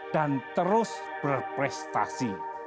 dan terus berprestasi